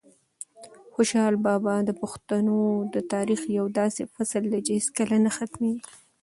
خوشحال بابا د پښتنو د تاریخ یو داسې فصل دی چې هیڅکله نه ختمېږي.